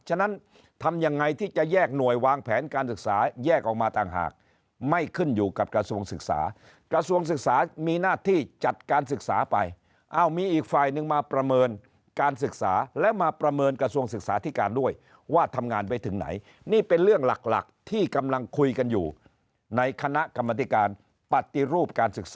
ฉะนั้นทำยังไงที่จะแยกหน่วยวางแผนการศึกษาแยกออกมาต่างหากไม่ขึ้นอยู่กับกระทรวงศึกษากระทรวงศึกษามีหน้าที่จัดการศึกษาไปเอ้ามีอีกฝ่ายหนึ่งมาประเมินการศึกษาแล้วมาประเมินกระทรวงศึกษาธิการด้วยว่าทำงานไปถึงไหนนี่เป็นเรื่องหลักหลักที่กำลังคุยกันอยู่ในคณะกรรมธิการปฏิรูปการศึกษา